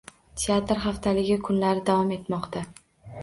«Teatr haftaligi» kunlari davom etmoqda